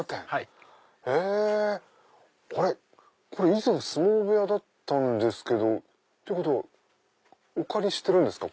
以前相撲部屋だったんですけど。ってことはお借りしてるんですか？